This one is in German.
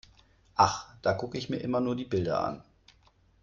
Ach, da gucke ich mir immer nur die Bilder an.